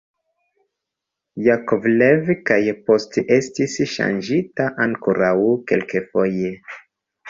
Jakovlev kaj poste estis ŝanĝita ankoraŭ kelkfoje.